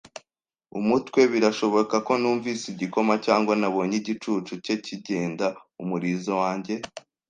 umutwe. Birashoboka ko numvise igikoma cyangwa nabonye igicucu cye kigenda umurizo wanjye